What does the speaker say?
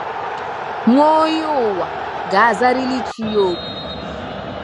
Nwa onye ụwa ga-azarịrị chi ya òkù.